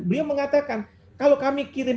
beliau mengatakan kalau kami kirim